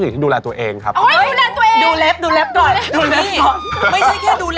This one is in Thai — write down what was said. หรือว่าเขาต้องหัดเพื่อคุณ